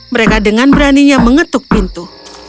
mereka dengan beraninya mengetuk pintu